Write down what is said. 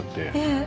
ええ。